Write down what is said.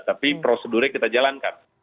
tapi prosedurnya kita jalankan